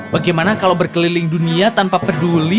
bagaimana kalau berkeliling dunia tanpa peduli